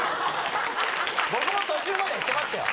僕も途中まで言ってましたよ。